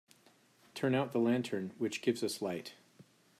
Turn out the lantern which gives us light.